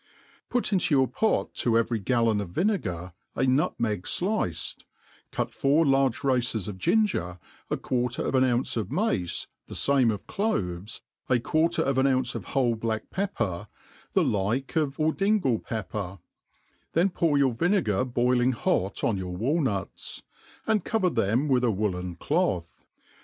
Put ^ito your pot to every gallon of vinegar, a nut« meg fliced, cut four large races of ginger, a quaner of an Qiince of mace, the fame of cloves, a quarter of an ounce of wholp black pepper, the like of Ordingal pepper; then pour your vinegar boiling hot t)n your walnuts; and cover them with a woollen cloth.